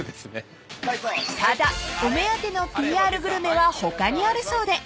［ただお目当てのＰＲグルメは他にあるそうで］